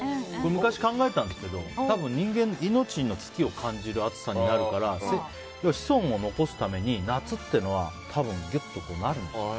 昔、考えたんですけど多分、人間、命の危機を感じる暑さになるから子孫を残すために夏っていうのはギュッとなるんですよ。